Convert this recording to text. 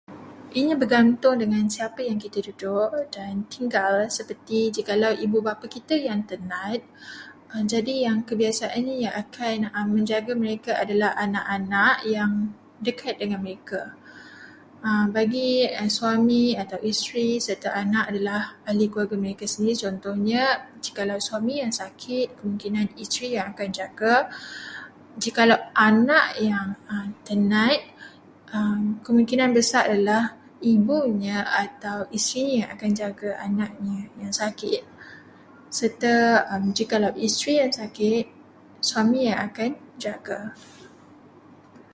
Ianya bergantung dengan siapa yang kita duduk atau tinggal, seperti jikalau ibu bapa kita yang tenat, jadi yang kebiasaannya yang akan menjaga mereka adalah anak-anak yang dekat dengan mereka. Bagi suami, atau isteri serta anak adalah ahli keluarga mereka sendiri, contohnya, jikalau suami yang sakit, kemungkinan isteri yang akan jaga. Jikalau anak yang tenat, kemungkinan besar ialah ibunya atau isterinya yang akan menjaga anaknya yang sakit. Serta, jikalau isteri yang sakit, suami yang akan jaga.